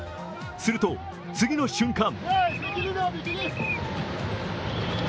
すると、次の瞬間。